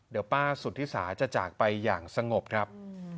เดี๋ยวป้าสุธิสาจะจากไปอย่างสงบครับ